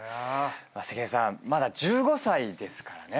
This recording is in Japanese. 関根さんまだ１５歳ですからね。